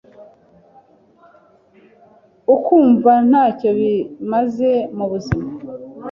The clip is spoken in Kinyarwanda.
‘ukumva nacyo bimaze mu buzima’.